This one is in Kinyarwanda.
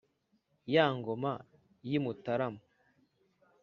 Ya ngoma y’i Mutarama,